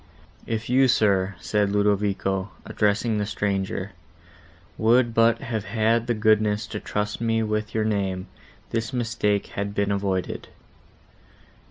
"If you, sir," said Ludovico, addressing the stranger, "would but have had the goodness to trust me with your name, this mistake had been avoided."